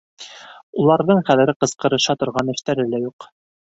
Уларҙың хәҙер ҡысҡырыша торған эштәре лә юҡ.